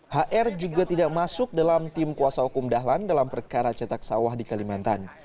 hr juga tidak masuk dalam tim kuasa hukum dahlan dalam perkara cetak sawah di kalimantan